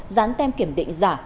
dán tem kiểm định giả